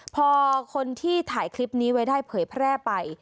พอคนที่ถ่ายคลิปนี้ไว้ได้เผยแพร่ไป